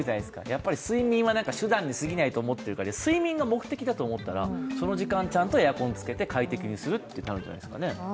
やっぱり睡眠は手段に過ぎないと思っているから、睡眠が目的だと思ったら、その時間ちゃんとエアコンをつけて快適にするってなるんじゃないですかね。